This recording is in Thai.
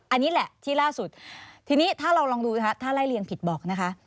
อันนี้แหละที่ล่าสุดทีนี้ถ้าเราลองดูนะคะถ้าไล่เรียงผิดบอกนะคะ